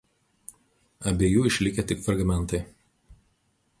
Abiejų išlikę tik fragmentai.